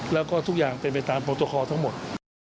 แล้วก็ทุกอย่างเป็นไปตามโปรตคอทั้งหมด